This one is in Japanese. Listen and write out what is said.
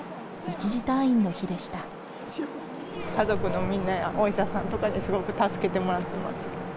家族のみんなやお医者さんとかにすごく助けてもらってます。